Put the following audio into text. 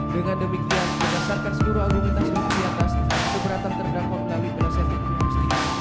dengan demikian berdasarkan sebuah agungitas keberatan terdakwa melalui proses